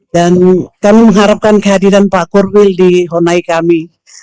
dan kami mengharapkan kehadiran pak korwil di honai kami